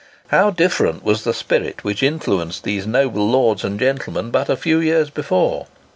How different was the spirit which influenced these noble lords and gentlemen but a few years before!